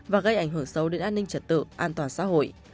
và gây ảnh hưởng sâu đến an ninh trật tự an toàn xã hội